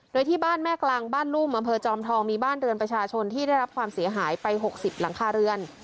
โดยที่บ้านแม่กลางบ้านรุ่มอำเภอจอมทองมีบ้านเรือนประชาชนที่ได้รับความเสียหายไป๖๐หลังคาเรือน